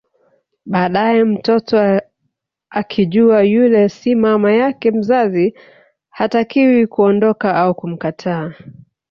Baadae mtoto akijua yule si mama yake mzazi hatakiwi kuondoka au kumkataa